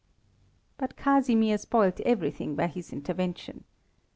But Casimir spoilt everything by his intervention.